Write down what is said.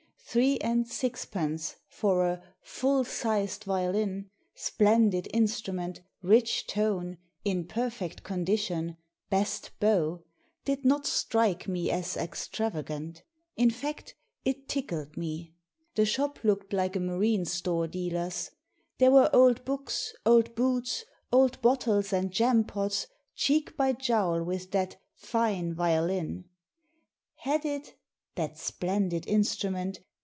Three and sixpence for a " Full sized violin, splendid instrument ; rich tone ; in per fect condition; best bow" did not strike me as extravagant. In fact, it tickled me. The shop looked liked a marine store dealer's. There were old books, old boots, old bottles and jampots, cheek by jowl with that "fine violin.*' Had it — ^that "splendid instrument"!